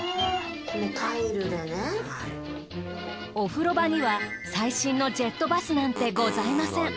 お風呂場には最新のジェットバスなんてございません。